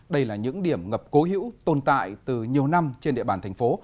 đây là những điểm ngập cố hữu tồn tại từ nhiều năm trên địa bàn thành phố